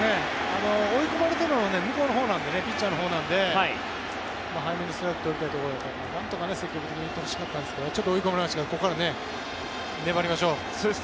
追い込まれているのは向こうのほうなのでピッチャーのほうなので早めにストライク取りたいところなのでなんとか積極的に行ってほしかったですけどちょっと追い込まれましたけどここから粘りましょう。